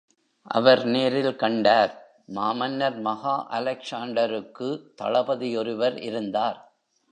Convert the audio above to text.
அவர் நேரில் கண்டார் மாமன்னர் மகா அலெக்ஸாண்டருக்கு தளபதி ஒருவர் இருந்தார்.